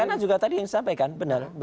karena juga tadi yang disampaikan benar